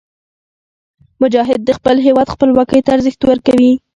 مجاهد د خپل هېواد خپلواکۍ ته ارزښت ورکوي.